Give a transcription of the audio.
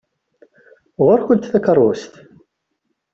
Ɣur-kent takeṛṛust!